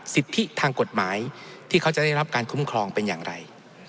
สิทธิทางกฎหมายที่เขาจะได้รับการคุ้มครองเป็นอย่างไร